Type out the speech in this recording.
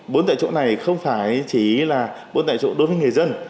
bốn tại chỗ này không phải chỉ là bốn tại chỗ đối với người dân